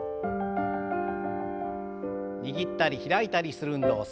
握ったり開いたりする運動